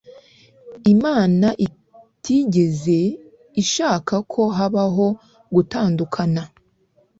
imana itigeze ishaka ko habaho gutandukana